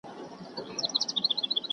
دا هغه کور دی چي موږ پکښي اوسیږو.